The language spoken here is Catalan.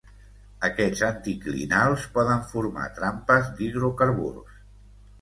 Aquests anticlinals poden formar trampes d'hidrocarburs.